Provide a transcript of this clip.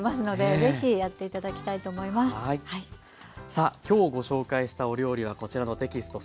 さあ今日ご紹介したお料理はこちらのテキスト